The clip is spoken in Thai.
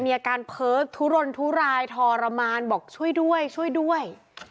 อาการเพ้อทุรนทุรายทรมานบอกช่วยด้วยช่วยด้วย